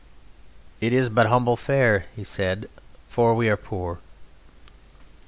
"It is but humble fare," he said, "for we are poor."